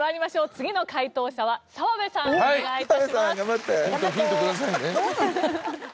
次の解答者は澤部さんお願い致します。